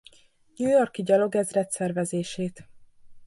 New York-i gyalogezred szervezését.